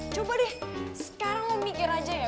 coba deh sekarang mau mikir aja ya